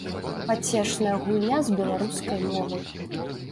Пацешная гульня з беларускай мовай.